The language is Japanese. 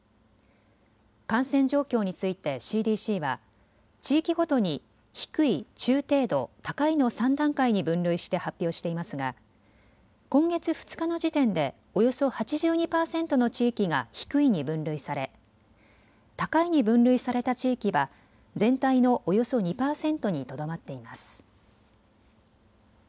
感染状況についてＣＤＣは地域ごとに低い、中程度、高いの３段階に分類して発表していますが今月２日の時点でおよそ８２％の地域が低いに分類され高いに分類された地域は全体のおよそ２％にとどまっています。